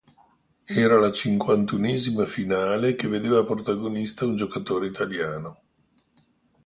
Era la cinquantunesima finale che vedeva protagonista un giocatore italiano.